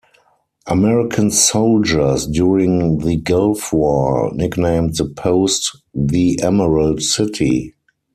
American soldiers during the Gulf War nicknamed the post "The Emerald City".